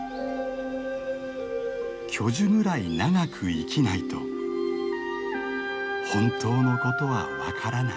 「巨樹ぐらい長く生きないと本当のことは分からない」。